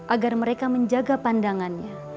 agar mereka menjaga pandangannya